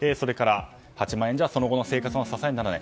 ８万円ではその後の生活の支えにならない。